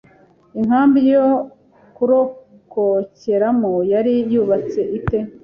Inkambi yo kurokokeramo yari yubatse ite?